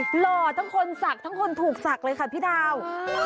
หล่อทั้งคนศักดิ์ทั้งคนถูกศักดิ์เลยค่ะพี่ดาว